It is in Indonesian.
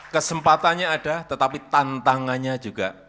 kesempatannya ada tetapi tantangannya juga